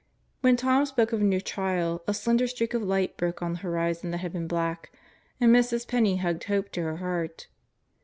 When Tom spoke of a new trial, a slender streak of light broke on the horizon that had been black, and Mrs. Penney hugged hope to her heart.